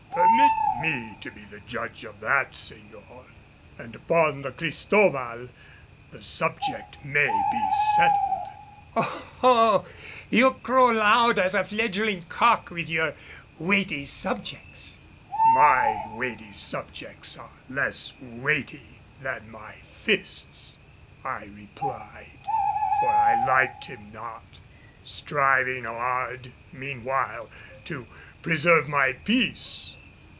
"Permit me to be the judge of that, señor. And upon the Cristobal the subject may be settled." "Oho! You crow loud as a fledgling cock with your weighty subjects!" "My weighty subjects are less weighty than my fists," I replied, for I liked him not, striving hard meanwhile to preserve my peace.